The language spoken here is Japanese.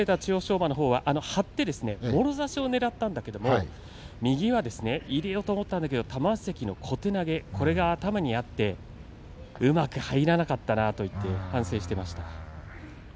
馬のほうは張ってもろ差しをねらったんだけれども右は入れようと思ったけど玉鷲関の小手投げが頭にあってうまく入らなかったなと言って反省していました。